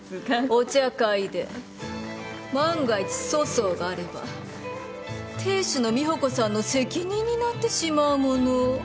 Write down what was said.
お茶会で万が一粗相があれば亭主の美保子さんの責任になってしまうもの。